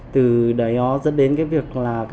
từ đấy nó dẫn đến việc